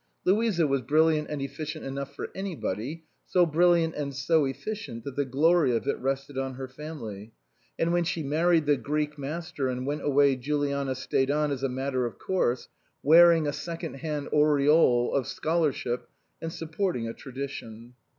Louisa was brilliant and efficient enough for anybody, so brilliant and so efficient that the glory of it rested on her family. And when she married the Greek master and went away Juliana stayed on as a matter of course, wearing a second hand aureole of scholarship and sup porting a tradition.